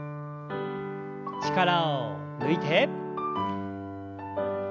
力を抜いて。